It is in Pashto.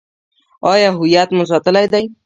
آیا هویت مو ساتلی دی؟